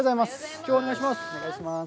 きょうはお願いします。